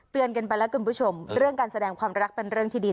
กันไปแล้วคุณผู้ชมเรื่องการแสดงความรักเป็นเรื่องที่ดี